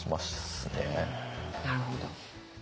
なるほど。